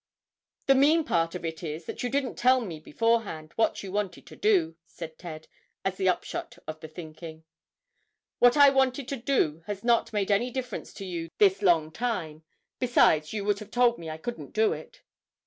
"The mean part of it is, that you didn't tell me beforehand what you wanted to do," said Ted, as the upshot of the thinking. "What I wanted to do has not made any difference to you this long time. Besides, you would have told me I couldn't do it."